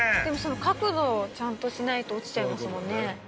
角度をちゃんとしないと落ちちゃいますもんね。